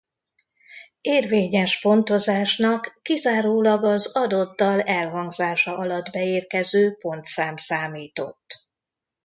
Érvényes pontozásnak kizárólag az adott dal elhangzása alatt beérkező pontszám számított.